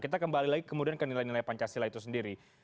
kita kembali lagi kemudian ke nilai nilai pancasila itu sendiri